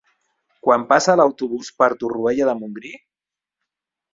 Quan passa l'autobús per Torroella de Montgrí?